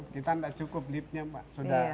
kita tidak cukup liftnya pak